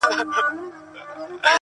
نری دود مې د مین زړګي د داغ وي